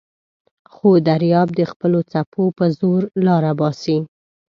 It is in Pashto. خو دریاب د خپلو څپو په زور لاره باسي.